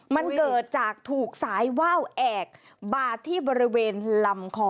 มันเกิดจากถูกสายว่าวแอกบาดที่บริเวณลำคอ